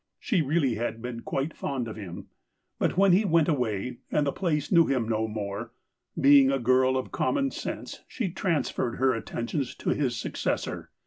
She really had been quite fond of him, but when he went away and the place knew him no more, being a girl of com mon sense she transferred her attentions to his successor.